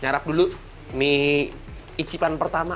nyarap dulu mie icipan pertama